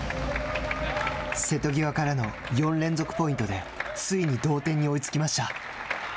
瀬戸際からの４連続ポイントでついに同点に追いつきました。